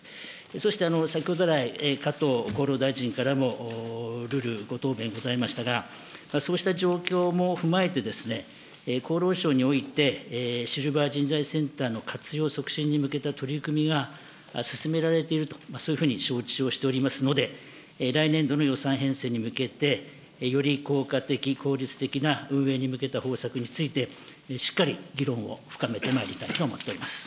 そして先ほど来、加藤厚労大臣からもるるご答弁ございましたが、そうした状況も踏まえてですね、厚労省において、シルバー人材センターの活用促進に向けた取り組みが進められていると、そういうふうに承知をしておりますので、来年度の予算編成に向けて、より効果的、効率的な運営に向けた方策について、しっかり議論を深めてまいりたいと思っております。